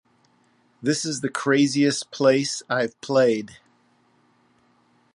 This is the craziest place I've played.